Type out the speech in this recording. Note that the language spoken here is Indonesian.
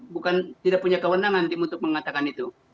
bukan tidak punya kewenangan tim untuk mengatakan itu